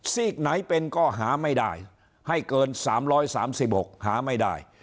ซีกไหนเป็นก็หาไม่ได้ให้เกินสามร้อยสามสิบหกหาไม่ได้